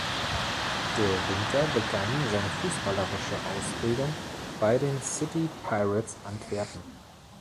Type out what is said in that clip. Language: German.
De Winter begann seine fußballerische Ausbildung bei den City Pirates Antwerpen.